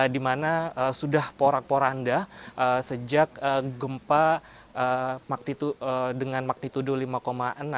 di mana sudah porak poranda sejak gempa dengan magnitudo lima enam